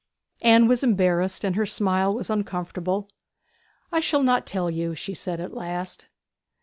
Anne was embarrassed, and her smile was uncomfortable. 'I shall not tell you,' she said at last.